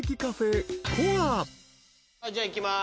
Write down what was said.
じゃあいきます。